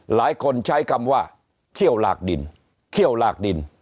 หลายคนใช้คำว่าเขี้ยวหลากดินเขี้ยวหลากดิน